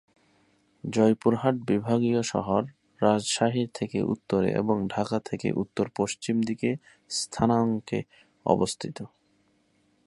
জয়পুরহাট বিভাগীয় শহর রাজশাহী থেকে উত্তরে এবং ঢাকা থেকে উত্তর পশ্চিম দিকে স্থানাঙ্কে অবস্থিত।